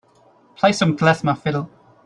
Play some klezmer fiddle